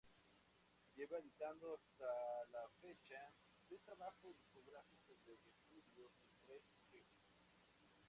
Lleva editado hasta la fecha, tres trabajos discográfico de estudio y tres Eps.